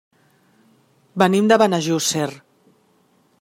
Venim de Benejússer.